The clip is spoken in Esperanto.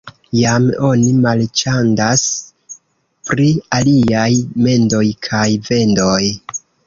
Jam oni marĉandas pri aliaj mendoj kaj vendoj.